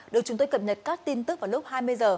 được chúng tôi cập nhật các tin tức vào lúc hai mươi h